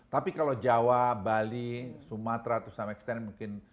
tapi kalau jawa bali sumatera atau sama eksternal mungkin